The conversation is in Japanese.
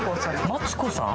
マツコさん。